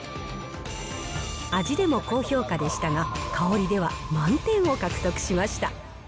味でも高評価でしたが、香りでは満点を獲得しました。